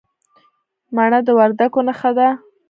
مڼه د وردګو نښه ده.